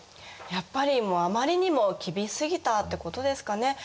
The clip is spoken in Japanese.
やっぱりあまりにも厳しすぎたってことですかね。